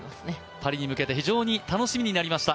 パリに向けて非常に楽しみになりました、